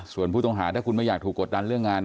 ส่วนผู้ต้องหาถ้าคุณไม่อยากถูกกดดันเรื่องงาน